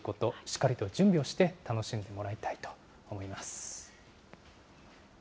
しっかりと準備をして楽しんでもらいたいと思います。